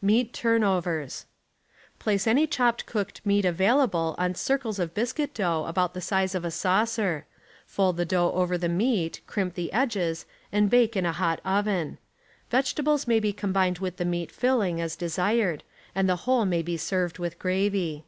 MEAT TURNOVERS— Place any chopped cooked meat available on circles of biscuit dough about the size of a saucer. Fold the dough over the meat, crimp the edges and bake in a hot oven. Vegetables maj^ be combined with the meat filling as desired and the whole may be served with gravy.